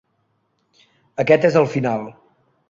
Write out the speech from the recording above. Aquest és el final.